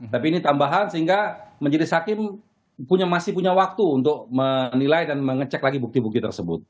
tapi ini tambahan sehingga majelis hakim masih punya waktu untuk menilai dan mengecek lagi bukti bukti tersebut